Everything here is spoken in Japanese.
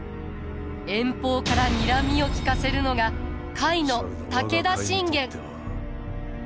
遠方からにらみを利かせるのが甲斐の武田信玄。